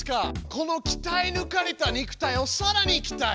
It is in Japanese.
このきたえぬかれた肉体をさらにきたえ